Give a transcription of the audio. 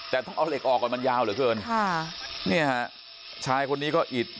แต่ต้องเอาเหล็กออกก่อนมันยาวเหลือเกินค่ะเนี่ยฮะชายคนนี้ก็อิด